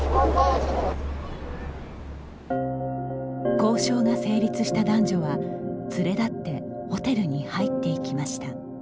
交渉が成立した男女は連れ立ってホテルに入って行きました。